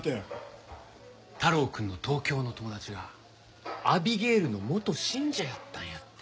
太郎くんの東京の友達がアビゲイルの元信者やったんやって。